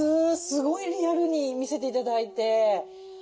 すごいリアルに見せて頂いて。